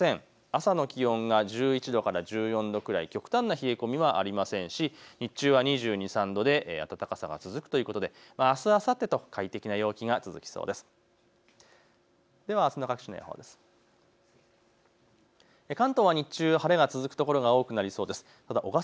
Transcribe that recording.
朝の気温が１１度から１４度くらい、極端な冷え込みはありませんが暖かさが続くということであす、あさってと快適な陽気が続きそうです。